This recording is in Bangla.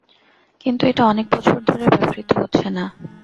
কিন্তু এটা অনেক বছর ধরে ব্যবহৃত হচ্ছে না।